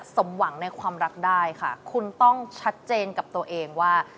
สมหวังในความรักได้ค่ะคุณต้องชัดเจนกับตัวเองว่า